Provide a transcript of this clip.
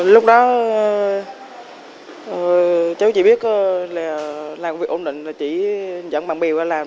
lúc đó cháu chỉ biết là làm việc ổn định là chỉ dẫn bạn bèo ra làm